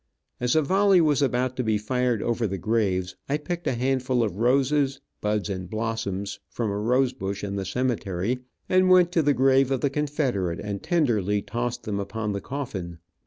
As a volley was about to be fired over the graves, I picked a handful of roses, buds and blossoms, from a rose bush in the cemetery, and went to the grave of the Confederate and tenderly tossed them upon the coffin.